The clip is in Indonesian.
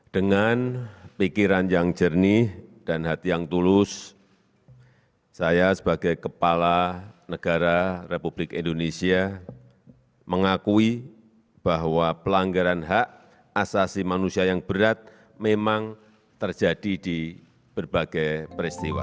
dengan pikiran yang jernih dan hati yang tulus saya sebagai kepala negara republik indonesia mengakui bahwa pelanggaran hak asasi manusia yang berat memang terjadi di berbagai peristiwa